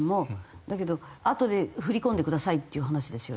だけどあとで振り込んでくださいっていう話ですよね。